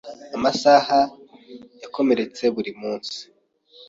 Amasaha yakomeretse buri munsi.